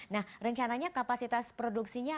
nah rencananya kapasitas produksinya